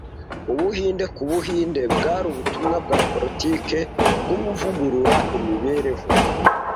'Ubuhinde ku Bahinde' bwari ubutumwa bwa politiki bw'uwuvugurura imibereho